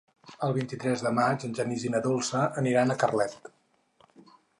El vint-i-tres de maig en Genís i na Dolça aniran a Carlet.